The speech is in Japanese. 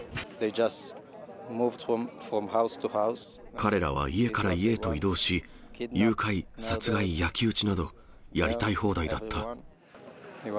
彼らは家から家へと移動し、誘拐、殺害、焼き打ちなど、やりたい放題だった。